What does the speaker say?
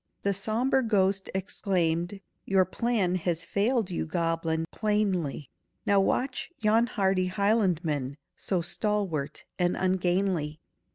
The sombre ghost exclaimed, "Your plan Has failed you, goblin, plainly: Now watch yon hardy Hieland man, So stalwart and ungainly.